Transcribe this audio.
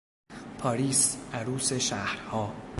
پاریس، عروس شهرها